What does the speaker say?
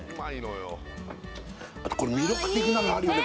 あとこの魅力的なのあるよね